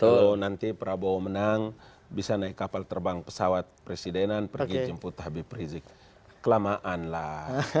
kalau nanti prabowo menang bisa naik kapal terbang pesawat presidenan pergi jemput habib rizik kelamaan lah